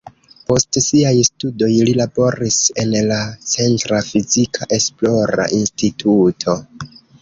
Post siaj studoj li laboris en la centra fizika esplora instituto.